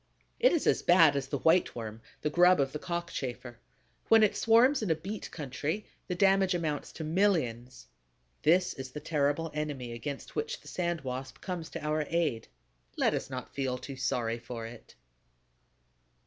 It is as bad as the White Worm, the grub of the Cockchafer. When it swarms in a beet country, the damage amounts to millions. This is the terrible enemy against which the Sand Wasp comes to our aid. Let us not feel too sorry for it!